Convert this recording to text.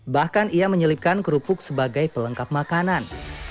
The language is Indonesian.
bahkan ia menyelipkan kerupuk sebagai pelengkap makanan